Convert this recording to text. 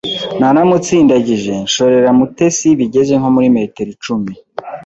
naramutsindagije nshorera mutesi bigeze nko muri metero icumi